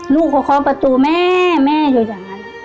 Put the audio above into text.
ลูกเขาเคาะประตูแม่แม่อยู่อย่างนั้น